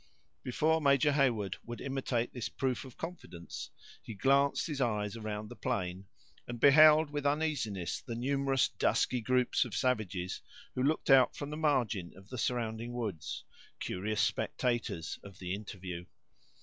Before Major Heyward would imitate this proof of confidence, he glanced his eyes around the plain, and beheld with uneasiness the numerous dusky groups of savages, who looked out from the margin of the surrounding woods, curious spectators of the interview.